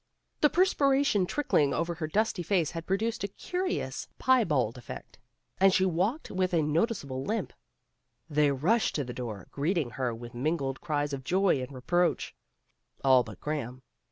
The perspiration trickling over her dusty face had produced a curious piebald effect, and she walked with a notice able limp. They rushed to the door, greeting her with mingled cries of joy and reproach. All but Graham.